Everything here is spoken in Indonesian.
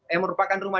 yang merupakan rumah